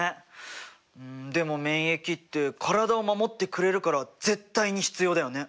うんでも免疫って体を守ってくれるから絶対に必要だよね。